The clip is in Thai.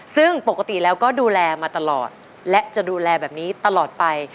ซึ่งปกติแล้วก็ดูแลมาตลอดและจะดูแลแบบนี้ตลอดไป